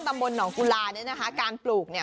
ตำบลหนองกุลาเนี่ยนะคะการปลูกเนี่ย